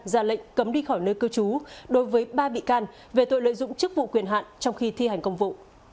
ra lệnh cấm đi khỏi nơi cư trú đối với ba bị can về tội lợi dụng chức vụ quyền hạn trong khi thi hành công vụ